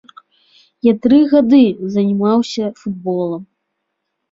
Я тры гады займаўся футболам.